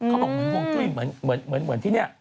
เขาบอกว่าเหมือนที่นี่